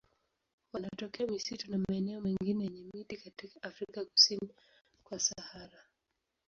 Wanatokea misitu na maeneo mengine yenye miti katika Afrika kusini kwa Sahara.